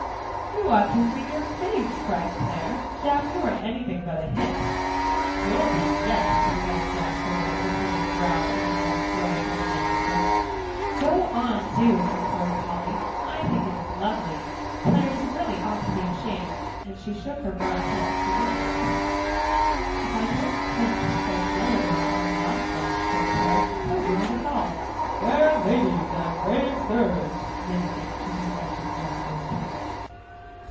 "You ought to see your face," cried Clare. "Jap, you are anything but a hit." "You'll be yet," declared Jasper with a pretended growl, and another flourish of the manuscript. "Go on, do," implored Polly, "I think it is lovely. Clare, you really ought to be ashamed," and she shook her brown head severely at him. "If I don't quench such melodrama in the outset," said Clare, "he'll ruin us all. Fair ladies and brave sirs," mimicking to perfection Jasper's tones.